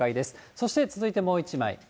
そして続いてもう一枚。